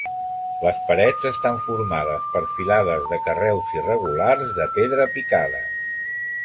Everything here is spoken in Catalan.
Les parets estan formades per filades de carreus irregulars de pedra picada.